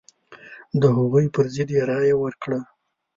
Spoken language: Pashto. د هغوی پر ضد یې رايه ورکړه.